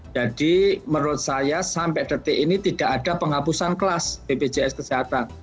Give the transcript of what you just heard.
jadi menurut saya sampai detik ini tidak ada penghapusan kelas bpjs kesehatan